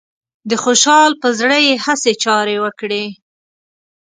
د خوشحال پر زړه يې هسې چارې وکړې